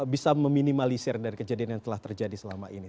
bisa meminimalisir dari kejadian yang telah terjadi selama ini